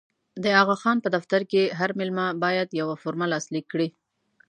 د اغا خان په دفتر کې هر مېلمه باید یوه فورمه لاسلیک کړي.